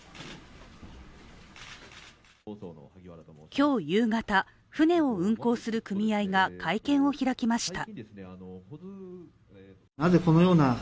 今日夕方、船を運航する組合が会見を開きました。